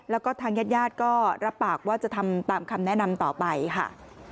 แล้วก็ทางญาติญาติก็รับปากว่าจะทำตามคำแนะนำต่อไปค่ะ